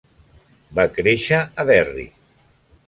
Va créixer a Derry.